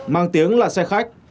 mang tiếng là xe khách